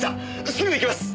すぐ行きます！